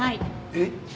えっ？